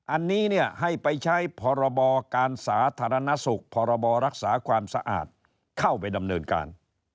อันนี้เนี่ยให้ไปใช้พรบการสาธารณสุขพรบรักษาความสะอาดเข้าไปดำเนินการ